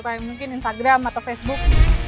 kayak mungkin instagram atau facebook